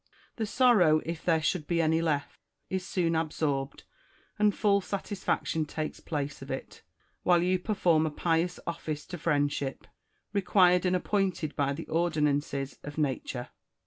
The sorrow, if there should be any left, is soon absorbed, and full satisfac tion takes place of it, while you perform a pious office to Friendship, required and appointed by the ordinances of Nature.